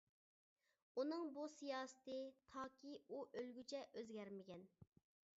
ئۇنىڭ بۇ سىياسىتى، تاكى ئۇ ئۆلگۈچە ئۆزگەرمىگەن.